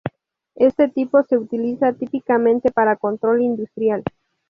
Este tipo se utiliza típicamente para control industrial.